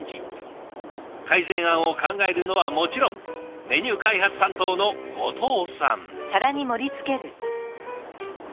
改善案を考えるのはもちろんメニュー開発担当の後藤さん。